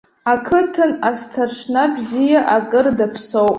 Ақыҭан асҭаршна бзиа акыр даԥсоуп!